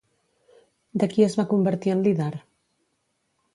De qui es va convertir en líder?